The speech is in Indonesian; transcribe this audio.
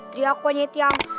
tria konyit yang